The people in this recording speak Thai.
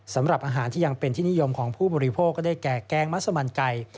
สำหรับอาหารที่ยังเป็นที่นิยมของผู้บริโภคก็ได้แก่แกงมัสมันไก่